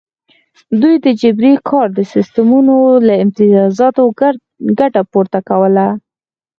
دوی د جبري کار د سیستمونو له امتیازاتو ګټه پورته کوله.